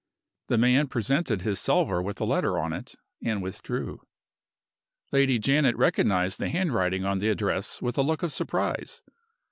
The man presented his salver with the letter on it, and withdrew. Lady Janet recognized the handwriting on the address with a look of surprise.